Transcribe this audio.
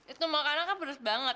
itu makanan kan pedas banget